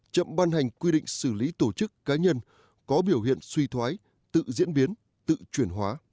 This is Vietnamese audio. chậm ban hành quy định xử lý tổ chức cá nhân có biểu hiện suy thoái tự diễn biến tự chuyển hóa